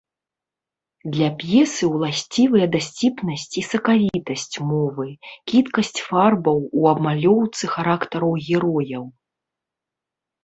Для п'есы ўласцівыя дасціпнасць і сакавітасць мовы, кідкасць фарбаў у абмалёўцы характараў герояў.